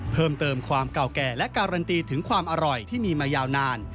เพิ่มเติมความเก่าแก่และการันตีถึงความอร่อยที่มีมายาวนาน